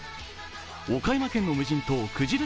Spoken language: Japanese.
岡山県の無人島くじら